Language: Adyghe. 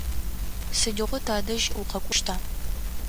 Сыдигъо тадэжь укъэкӏощта?